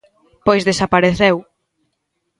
_Pois desapareceu.